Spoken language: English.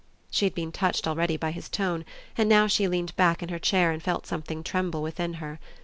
She had been touched already by his tone, and now she leaned back in her chair and felt something tremble within her.